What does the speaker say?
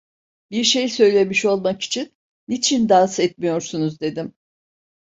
Bir şey söylemiş olmak için: "Niçin dans etmiyorsunuz?" dedim.